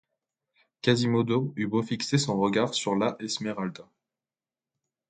Quasimodo eut beau fixer son regard sur la Esmeralda.